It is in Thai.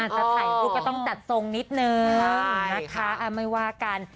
จะถ่ายรูปก็ต้องจัดทรงนิดนึงนะคะไม่ว่ากัน